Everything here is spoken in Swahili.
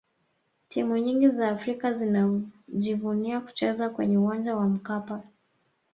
timu nyingi za afrika zinajivunia kucheza kwenye uwanja wa mkapa